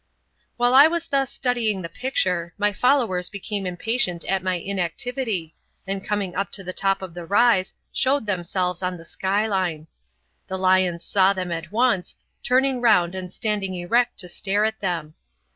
While I was thus studying the picture, my followers became impatient at my inactivity, and coming up to the top of the rise, showed themselves on the sky line. The lions saw them at once, turning round and standing erect to stare at them.